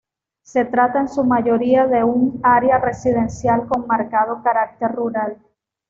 Se trata en su mayoría de un área residencial con marcado carácter rural.